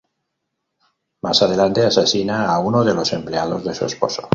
Más adelante asesina a uno de los empleados de su esposo.